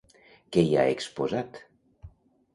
Què hi ha exposat?